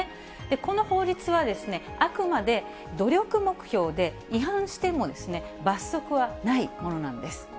この法律はですね、あくまで努力目標で、違反しても罰則はないものなんです。